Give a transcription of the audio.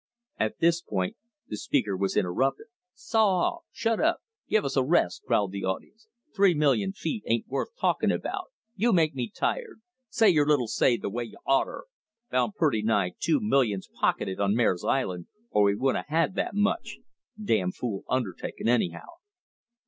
At this point the speaker was interrupted. "Saw off," "Shut up," "Give us a rest," growled the audience. "Three million feet ain't worth talkin' about," "You make me tired," "Say your little say the way you oughter," "Found purty nigh two millions pocketed on Mare's Island, or we wouldn't a had that much," "Damn fool undertaking, anyhow."